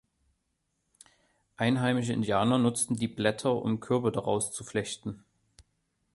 Einheimische Indianer nutzten die Blätter, um Körbe daraus zu flechten.